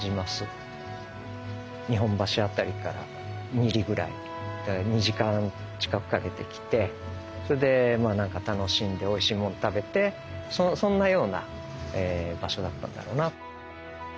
日本橋辺りから２里ぐらい２時間近くかけて来てそれで楽しんでおいしいもん食べてそんなような場所だったんだろうな。